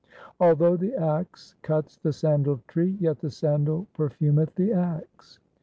Although the axe cuts the sandal tree, yet the sandal per fumeth the axe.